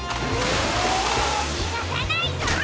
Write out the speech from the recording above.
にがさないぞ！